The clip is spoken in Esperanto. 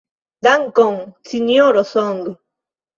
Dankon, Sinjoro Song.